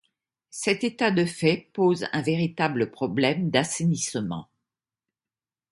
Cet état de fait pose un véritable problème d’assainissement.